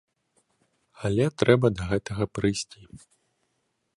Але трэба да гэтага прыйсці.